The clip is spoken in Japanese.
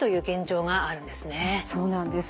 そうなんです。